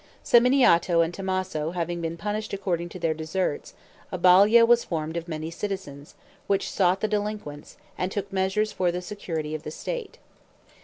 Samminiato and Tommaso having been punished according to their deserts, a Balia was formed of many citizens, which sought the delinquents, and took measures for the security of the state.